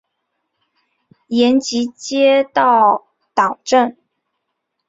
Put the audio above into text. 延吉街道党建